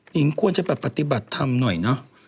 นิ้งควรจะปฏิบัติทำหน่อยเนอะ